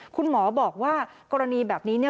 คุณหมอบอกว่ากรณีแบบนี้